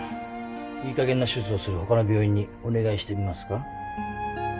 いいかげんな手術をするほかの病院にお願いしてみます？